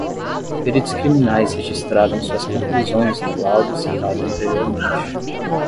Peritos criminais registraram suas conclusões no laudo citado anteriormente